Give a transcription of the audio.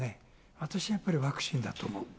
私、やっぱりワクチンだと思う。